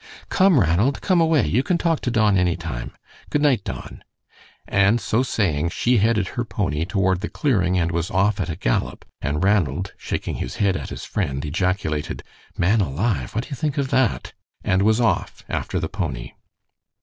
"Come, Ranald! Come away, you can talk to Don any time. Good night, Don." And so saying she headed her pony toward the clearing and was off at a gallop, and Ranald, shaking his head at his friend, ejaculated: "Man alive! what do you think of that?" and was off after the pony.